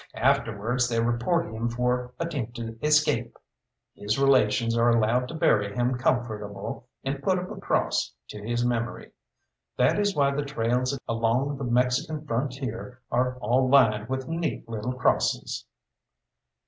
Afterwards they report him for 'attempted escape.' His relations are allowed to bury him comfortable, and put up a cross to his memory. That is why the trails along the Mexican frontier are all lined with neat little crosses.